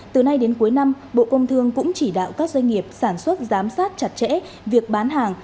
từ nay đến cuối năm bộ công thương cũng chỉ đạo các doanh nghiệp sản xuất giám sát chặt chẽ việc bán hàng